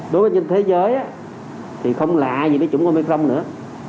đối với nhân dân thế giới thì không lạ gì cái chủng omicron nữa